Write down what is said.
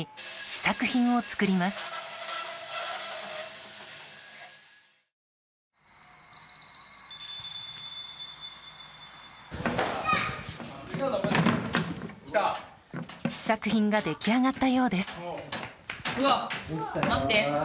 試作品が出来上がったようです。